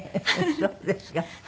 そうですか。